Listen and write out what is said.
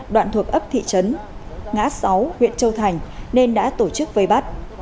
đoạn thuộc ấp thị trấn ngã sáu huyện châu thành nên đã tổ chức vây bắt